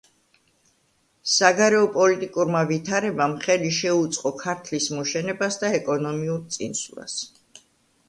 საგარეო პოლიტიკურმა ვითარებამ ხელი შეუწყო ქართლის მოშენებას და ეკონომიურ წინსვლას.